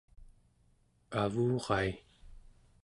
avurai